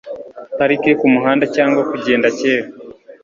parike kumuhanda cyangwa kugenda kera